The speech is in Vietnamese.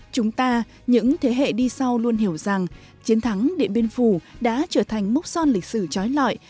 chúng ta những thế hệ đi sau luôn hiểu rằng chiến thắng điện biên phủ đã trở thành mốc son lịch sử trói lọi